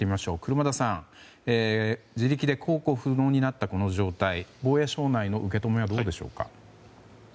車田さん自力で航行不能になったこの状態、防衛省内の受け止めはどうでしょうか。